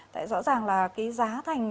tại rõ ràng là cái giá thành